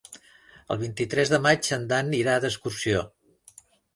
El vint-i-tres de maig en Dan irà d'excursió.